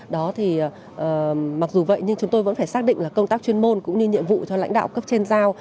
đó thì mặc dù vậy nhưng chúng tôi vẫn phải xác định là công tác chuyên môn cũng như nhiệm vụ cho lãnh đạo cấp trên giao